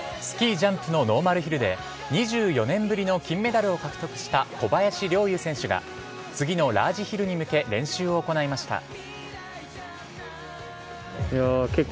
スキージャンプのノーマルヒルで２４年ぶりの金メダルを獲得した小林陵侑選手が次のラージヒルに向け練習を行いました。